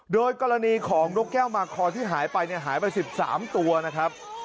โดยกรณีของนกแก้วมาคอที่หายไปหายไป๑๓ตัวนะครับ